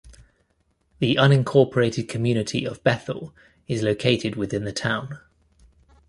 The unincorporated community of Bethel is located within the town.